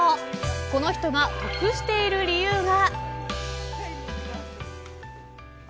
この人が得している理由が。